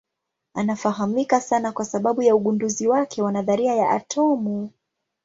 Anafahamika sana kwa sababu ya ugunduzi wake wa nadharia ya atomu.